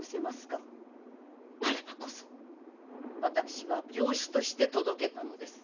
なればこそ私は病死として届けたのです。